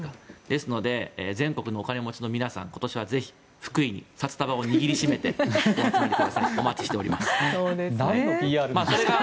ですので全国のお金持ちの皆さん今年はぜひ、福井に札束を握りしめてお集まりください。